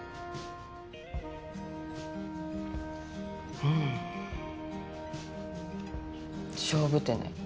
うん勝負手ね。